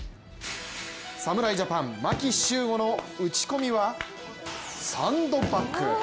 侍ジャパン、牧秀悟の打ち込みはサンドバッグ。